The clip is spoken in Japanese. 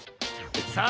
さあ